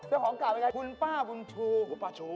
เจ้าของเก่ายังไงคุณป้าบุญชู